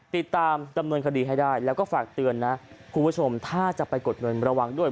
ติดตามดำเนินคดีให้ได้แล้วก็ฝากเตือนนะคุณผู้ชมถ้าจะไปกดเงินระวังด้วย